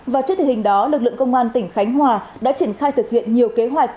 và trước tình hình đó lực lượng công an tỉnh khánh hòa đã triển khai thực hiện nhiều kế hoạch